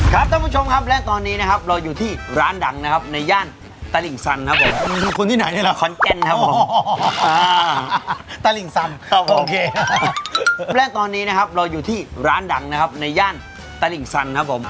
ครับท่านผู้ชมครับและตอนนี้นะครับเราอยู่ที่ร้านดังนะครับในย่านตลิงซันครับผม